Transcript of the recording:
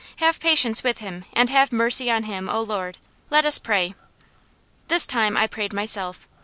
Have patience with him, and have mercy on him, O Lord! Let us pray." That time I prayed myself.